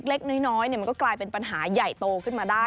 เล็กน้อยมันก็กลายเป็นปัญหาใหญ่โตขึ้นมาได้